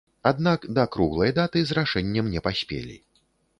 Аднак да круглай даты з рашэннем не паспелі.